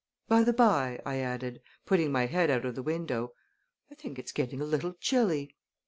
By the by," I added, putting my head out of the window, "I think it's getting a little chilly."